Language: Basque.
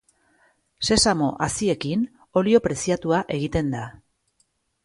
Sesamo-haziekin olio preziatua egiten da.